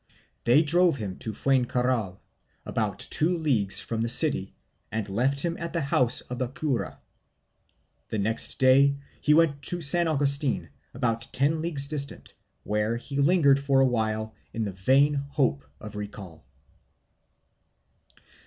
They drove him to Fuencarral, about two leagues from the city and left him at the house of the cura. The next day he went to San Agustin, about ten leagues distant, where he lingered for awhile in the vain hope of recall.